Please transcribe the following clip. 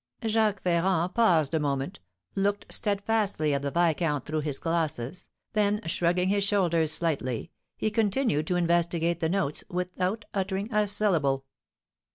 Jacques Ferrand paused for a moment, looked steadfastly at the viscount through his glasses, then, shrugging his shoulders slightly, he continued to investigate the notes, without uttering a syllable.